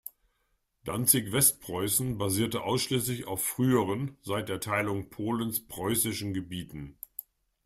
Danzig-Westpreußen basierte ausschließlich auf früheren, seit den Teilungen Polens preußischen Gebieten.